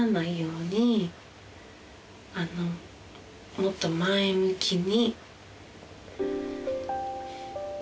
もっと前向きに。